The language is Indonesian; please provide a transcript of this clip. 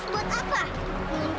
dasar manusia sesat